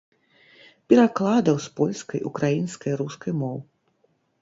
Перакладаў з польскай, украінскай, рускай моў.